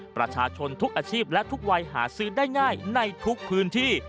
ประชาชนทุกอาชีพและทุกวัยหาซื้อได้ง่ายในทุกพื้นที่